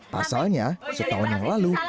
pasalnya setahun yang lalu